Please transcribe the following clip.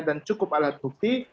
dan cukup alat bukti